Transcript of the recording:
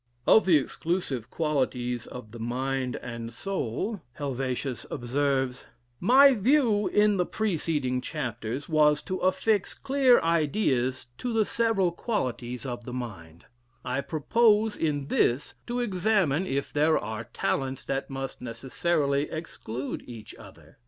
Of the "exclusive qualities of the Mind and Soul," Helvetius observes: "My view in the preceding chapters was to affix clear ideas to the several qualities of the mind, I propose in this to examine if there are talents that must necessarily exclude each other?